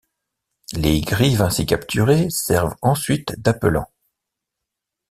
Les grives ainsi capturées servent ensuite d'appelants.